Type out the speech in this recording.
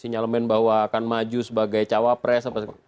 sinyal menurut anda bahwa akan maju sebagai cawapres